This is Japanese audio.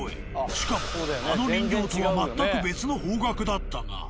しかもあの人形とは全く別の方角だったが。